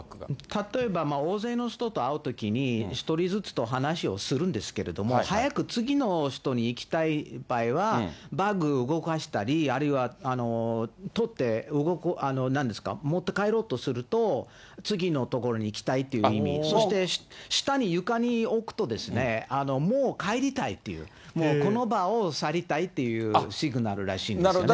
例えば、大勢の人と会うときに、一人ずつと話をするんですけど、早く次の人に行きたい場合は、バッグ動かしたり、あるいは取って、持って帰ろうとすると、次の所に行きたいっていう意味、そして、下に床に置くと、もう帰りたいっていう、この場を去りたいっていうシグナルらしいんですよね。